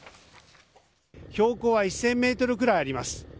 標高は１０００メートルくらいあります。